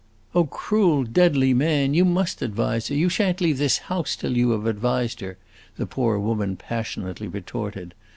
"Oh, cruel, deadly man! You must advise her; you shan't leave this house till you have advised her!" the poor woman passionately retorted.